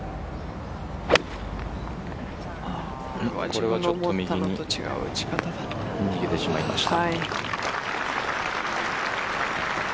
これはちょっと右に逃げてしまいました。